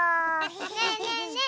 ねえねえねえ